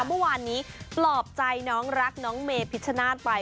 เมื่อวานนี้ปลอบใจน้องรักน้องเมพิชชนาธิ์ไป